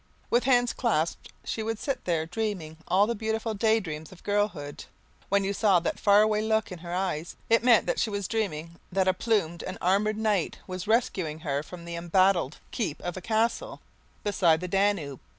With hands clasped she would sit there dreaming all the beautiful day dreams of girlhood. When you saw that faraway look in her eyes, it meant that she was dreaming that a plumed and armoured knight was rescuing her from the embattled keep of a castle beside the Danube.